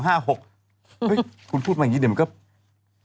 เฮ้ยคุณพูดมาอย่างนี้เดี๋ยวมันก็